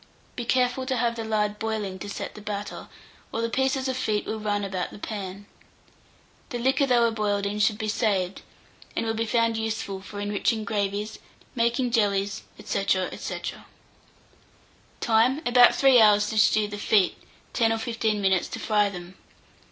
Be careful to have the lard boiling to set the batter, or the pieces of feet will run about the pan. The liquor they were boiled in should be saved, and will be found useful for enriching gravies, making jellies, &e. &e. Time. About 3 hours to stew the feet, 10 or 15 minutes to fry them.